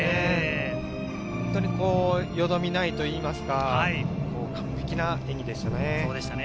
本当によどみないといいますか、完璧な演技でしたね。